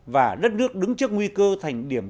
và đất nước đứng trước nguy cơ thành điểm